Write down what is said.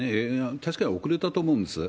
確かに遅れたと思うんです。